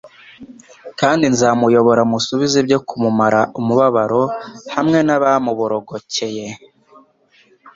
kandi nzamuyobora musubize ibyo kumumara umubabaro hamwe n'abamuborogcye.»